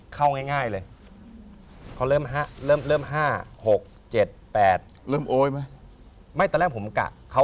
เข้าง่ายเลยเขาเริ่ม๕๖๗๘เริ่มโอ๊ยไหมไม่ตอนแรกผมกะเขา